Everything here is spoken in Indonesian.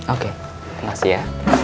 oke makasih ya